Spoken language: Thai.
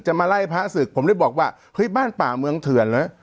มาไล่พระศึกผมได้บอกว่าเฮ้ยบ้านป่าเมืองเถื่อนเหรอ